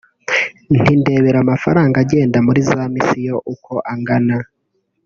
nti ndebera amafaranga agenda muri za misiyo uko angana